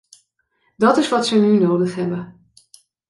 Dat is wat zij nu nodig hebben.